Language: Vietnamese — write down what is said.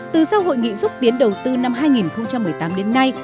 từ sau hội nghị xúc tiến đầu tư năm hai nghìn một mươi tám đến nay